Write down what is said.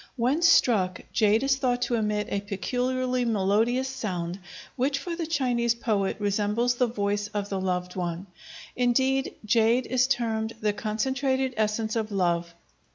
When struck, jade is thought to emit a peculiarly melodious sound, which for the Chinese poet resembles the voice of the loved one; indeed, jade is termed the concentrated essence of love.